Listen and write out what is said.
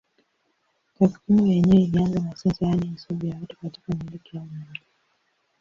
Takwimu yenyewe ilianza na sensa yaani hesabu ya watu katika milki au mji.